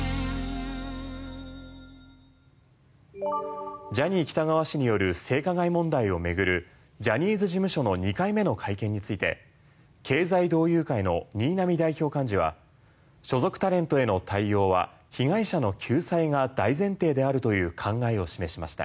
シネマズはジャニー喜多川氏による性加害問題を巡るジャニーズ事務所の２回目の会見について経済同友会の新浪代表幹事は所属タレントへの対応は被害者の救済が大前提であるという考えを示しました。